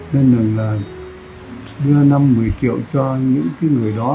nên là đưa năm một mươi triệu cho những cái người đó